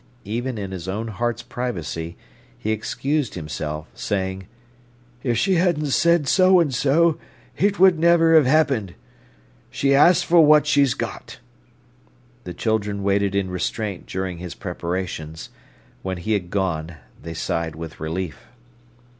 Even in his own heart's privacy, he excused himself, saying, "If she hadn't said so and so, it would never have happened. She asked for what she's got." The children waited in restraint during his preparations. When he had gone, they sighed with relief.